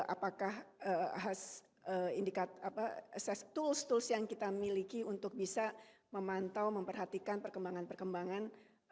apakah assess tools tools yang kita miliki untuk bisa memantau memperhatikan perkembangan perkembangan